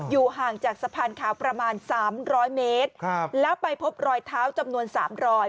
ห่างจากสะพานขาวประมาณ๓๐๐เมตรแล้วไปพบรอยเท้าจำนวน๓รอย